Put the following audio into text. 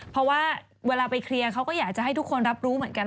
เพราะว่าเวลาไปเคลียร์เขาก็อยากจะให้ทุกคนรับรู้เหมือนกัน